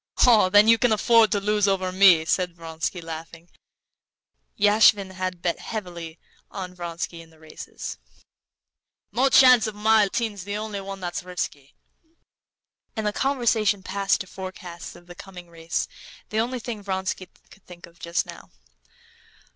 "Oh, then you can afford to lose over me," said Vronsky, laughing. (Yashvin had bet heavily on Vronsky in the races.) "No chance of my losing. Mahotin's the only one that's risky." And the conversation passed to forecasts of the coming race, the only thing Vronsky could think of just now.